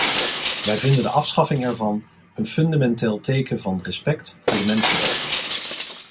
Wij vinden de afschaffing ervan een fundamenteel teken van respect voor de mensenrechten.